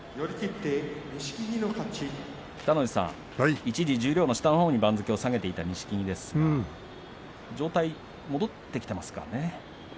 北の富士さん一時、十両の下のほうに番付を下げていた錦木ですが状態が戻ってきていますかね。